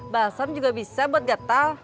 balsam juga bisa buat gatel